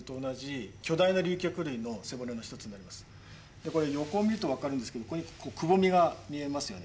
で横見ると分かるんですけどここにくぼみが見えますよね。